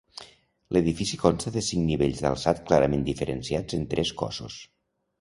L'edifici consta de cinc nivells d'alçat clarament diferenciats en tres cossos.